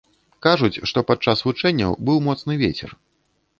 Кажуць, што падчас вучэнняў быў моцны вецер.